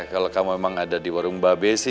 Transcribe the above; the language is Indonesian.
kalau kamu emang ada di warung mba be sih